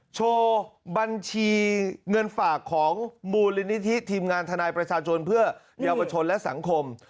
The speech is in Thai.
โชว์บัญชีเงินฝากของมูลนิธิทีมงานทนายประชาชนเพื่อเยาวชนและสังคม